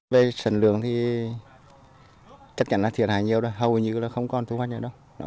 về sản lượng thì chắc chắn là thiệt hại nhiều rồi hầu như là không còn thu hoạch được đâu